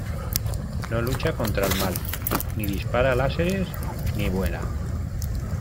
¡ No lucha contra el mal, ni dispara láseres , ni vuela!